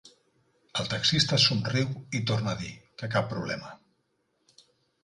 El taxista somriu i torna a dir que cap problema.